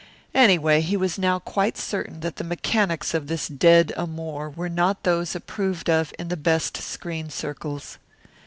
Anyway, he was now quite certain that the mechanics of this dead amour were not those approved of in the best screen circles.